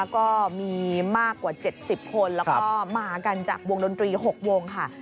ก็มีมากกว่า๗๐คนแล้วก็มากันจากวงดนตรี๖วงค่ะ